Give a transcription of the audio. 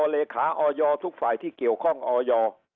เลขาออยทุกฝ่ายที่เกี่ยวข้องออย